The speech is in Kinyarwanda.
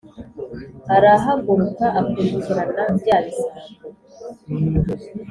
arahaguruka akurikirana bya bisambo